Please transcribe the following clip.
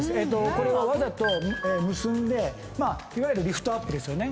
これはわざと結んでいわゆるリフトアップですよね。